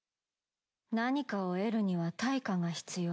何かを得るには対価が必要。